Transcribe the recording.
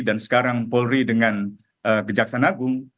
dan sekarang polri dengan kejaksan agung